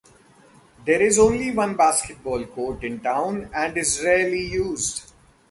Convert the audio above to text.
There is only one basketball court in town and is rarely used.